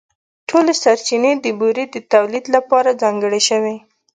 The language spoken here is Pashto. ټولې سرچینې د بورې د تولیدً لپاره ځانګړې شوې.